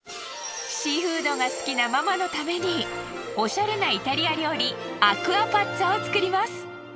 シーフードが好きなママのためにオシャレなイタリア料理アクアパッツァを作ります。